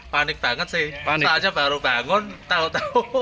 panik banget sih soalnya baru bangun tau tau